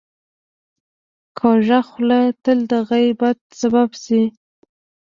کوږه خوله تل د غیبت سبب شي